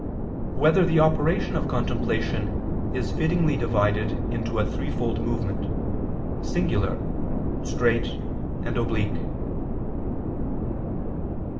6] Whether the Operation of Contemplation Is Fittingly Divided into a Threefold Movement, Circular, Straight and Oblique?